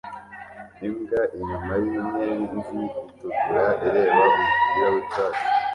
Imbwa inyuma yinyenzi itukura ireba umupira wicyatsi